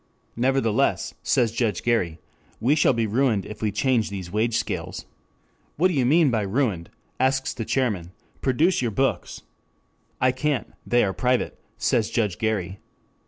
Nevertheless, says Judge Gary, we shall be ruined if we change these wage scales. What do you mean by ruined, asks the chairman, produce your books. I can't, they are private, says Judge Gary.